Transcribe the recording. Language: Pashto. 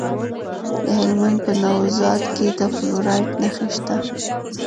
د هلمند په نوزاد کې د فلورایټ نښې شته.